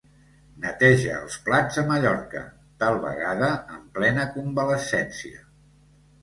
Neteja els plats a Mallorca, tal vegada en plena convalescència.